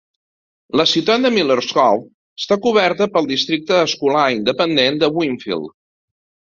La ciutat de Miller's Cove està coberta pel districte escolar independent de Winfield.